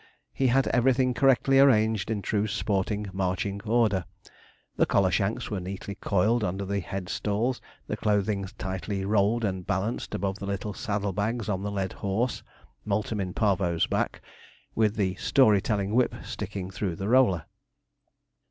He had everything correctly arranged in true sporting marching order. The collar shanks were neatly coiled under the headstalls, the clothing tightly rolled and balanced above the little saddle bags on the led horse, 'Multum in Parvo's' back, with the story telling whip sticking through the roller.